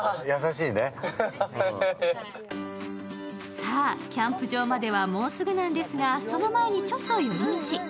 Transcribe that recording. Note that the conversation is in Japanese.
さあ、キャンプ場まではもうすぐなんですがその前にちょっと寄り道。